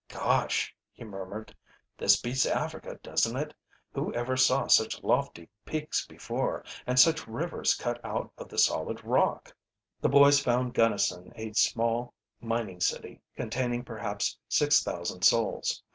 "Gosh!" he murmured. "This beats Africa, doesn't it? Who ever saw such lofty peaks before and such rivers cut out of the solid rock!" The boys found Gunnison a small mining city containing perhaps six thousand souls.